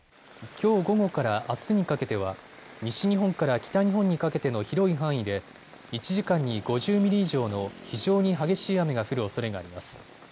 きょう午後からあすにかけては西日本から北日本にかけての広い範囲で１時間に５０ミリ以上の非常に激しい雨が降るおそれがあります。